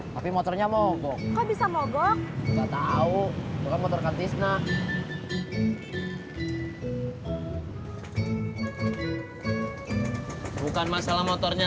tapi motornya mogok kok bisa mogok nggak tahu bukan motor katisna bukan masalah motornya